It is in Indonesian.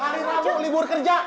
hari rabu libur kerja